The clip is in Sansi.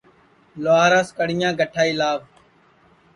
لُہاراس کڑِیاں کڈؔائی لاوَ